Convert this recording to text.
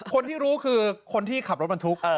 คนที่รู้คือคนที่ขับรถบรรทุก